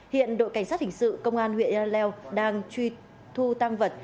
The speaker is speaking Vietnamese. hiện đội cảnh sát hình sự công an huyện yaleo đang truy thu tăng vật